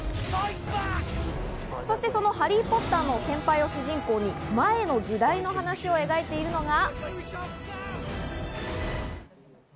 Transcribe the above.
その『ハリー・ポッター』の先輩を主人公に前の時代の話を描いているのが。